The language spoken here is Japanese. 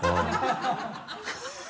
ハハハ